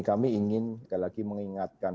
kami ingin sekali lagi mengingatkan